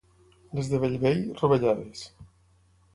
Les de Bellvei, rovellades.